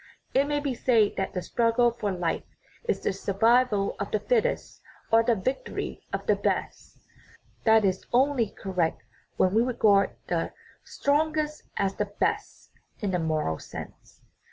It may be said that the struggle for life is the "survival of the fittest" or the "victory of the best "; that is only correct when we regard the strong est as the best (in a moral sense).